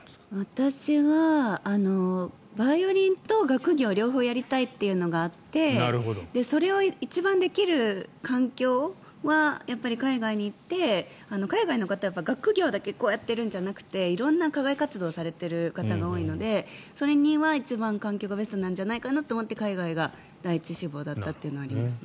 私はバイオリンと学業両方やりたいというのがあってそれを一番できる環境は海外に行って、海外の方は学業だけこうやってるんじゃなくて色々な課外活動をされている方が多いのでそれには一番、環境がベストなんじゃないかなと思って海外が第１志望だったというのはありますね。